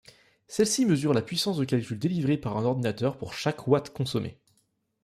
Celle-ci mesure la puissance de calcul délivrée par un ordinateur pour chaque watt consommé.